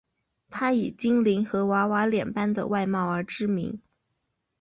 她以精灵和娃娃脸般的外貌而知名。